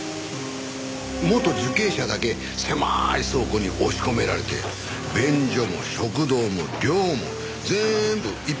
元受刑者だけ狭い倉庫に押し込められて便所も食堂も寮も全部一般の社員とは別。